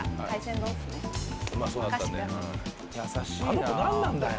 あの子何なんだよ？